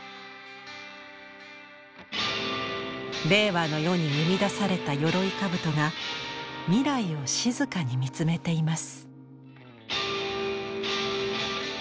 令和の世に生み出された鎧兜が未来を静かに見つめています。